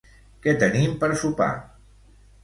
Què tenim per sopar?